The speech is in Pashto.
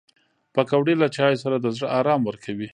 پکورې له چایو سره د زړه ارام ورکوي